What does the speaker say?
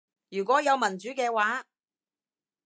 如果有民主嘅話